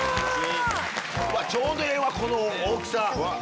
ちょうどええわこの大きさ。